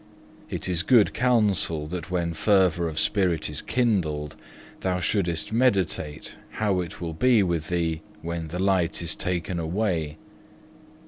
It is good counsel that when fervour of spirit is kindled, thou shouldest meditate how it will be with thee when the light is taken away.